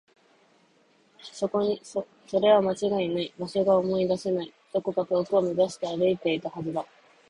それは間違いない。場所が思い出せない。どこか遠くを目指して歩いていったはずだ。